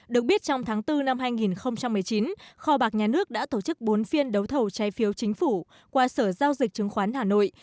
được biết trong tháng bốn năm hai nghìn một mươi chín kho bạc nhà nước đã tổ chức bốn phiên đấu thầu trái phiếu chính phủ qua sở giao dịch chứng khoán hà nội